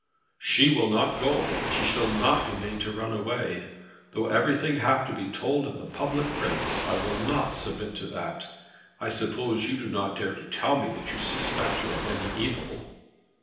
"She will not go. She shall not be made to run away. Though everything have to be told in the public prints, I will not submit to that. I suppose you do not dare to tell me that you suspect her of any evil?"